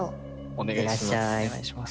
お願いします。